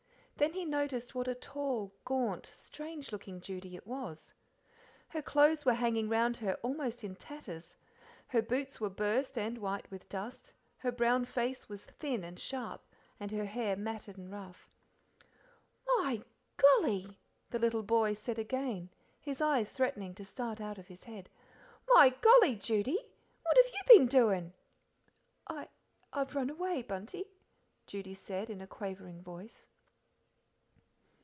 Then he noticed what a tall, gaunt, strange looking Judy it was. Her clothes were hanging round her almost in tatters, her boots were burst and white with dust, her brown face was thin and sharp, and her hair matted and rough. "My golly!" the little boy said again, his eyes threatening to start out of his head "my golly, Judy, what have you been doin'?" "I I've run away, Bunty," Judy said, in a quavering voice.